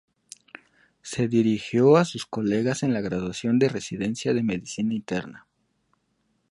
Se dirigió a sus colegas en la graduación de residencia de medicina interna.